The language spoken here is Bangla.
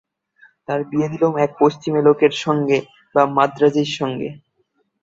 তার বিয়ে দিলুম এক পশ্চিমে লোকের সঙ্গে বা মান্দ্রাজীর সঙ্গে।